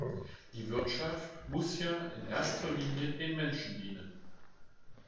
Die Wirtschaft muss ja in erster Linie den Menschen dienen.